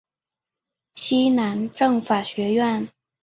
西南政法学院。